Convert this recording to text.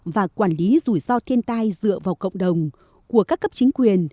và quản lý rủi ro thiên tai dựa vào cộng đồng của các cấp chính quyền